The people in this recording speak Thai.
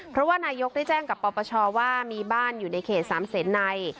เพราะว่านายกได้แจ้งกับปปชว่ามีบ้านอยู่ในเขตสามเศษใน